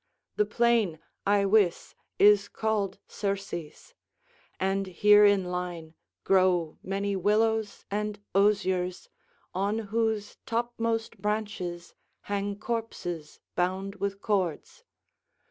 The plain, I wis, is called Circe's; and here in line grow many willows and osiers, on whose topmost branches hang corpses bound with cords.